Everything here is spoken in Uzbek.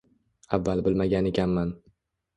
Avval bilmagan ekanman